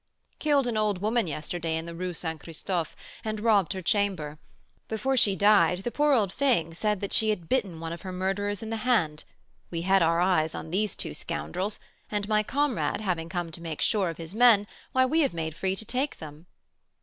"Killed an old woman yesterday in the Rue St. Christophe, and robbed her chamber. Before she died, the poor old thing said that she had bitten one of her murderers in the hand. We had our eyes on these two scoundrels; and my comrade, having come to make sure of his men, why, we have made free to take them."